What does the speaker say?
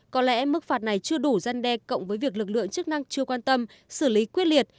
có lẽ mức phạt này chưa đủ dân đe cộng với việc lực lượng chức năng chưa quan tâm xử lý quyết liệt